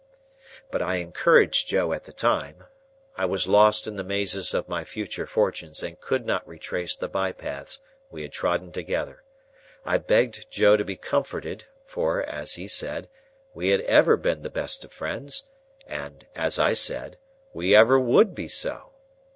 But I encouraged Joe at the time. I was lost in the mazes of my future fortunes, and could not retrace the by paths we had trodden together. I begged Joe to be comforted, for (as he said) we had ever been the best of friends, and (as I said) we ever would be so.